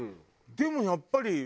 でもやっぱり。